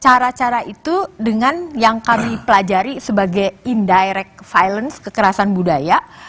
cara cara itu dengan yang kami pelajari sebagai indirect violence kekerasan budaya